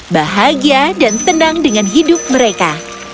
bahagia dan senang dengan hidup mereka